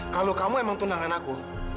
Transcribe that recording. kalau kamu emang tundangan aku